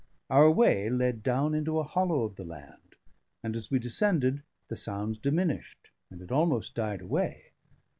Our way led down into a hollow of the land; and as we descended, the sounds diminished and had almost died away.